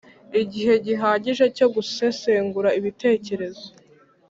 igihe gihagije cyo gusesengura ibitekerezo